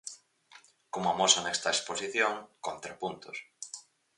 Como amosa nesta exposición: 'Contrapuntos'.